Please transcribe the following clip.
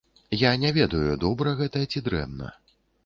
Я не ведаю, добра гэта ці дрэнна.